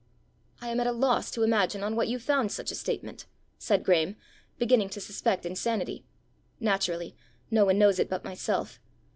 "I am at a loss to imagine on what you found such a statement," said Graeme, beginning to suspect insanity. "Naturally; no one knows it but myself.